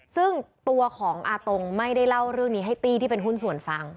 ซึ่งตัวของอาตงไม่ได้เล่าเรื่องนี้ให้ตี้ที่เป็นหุ้นส่วนฟัง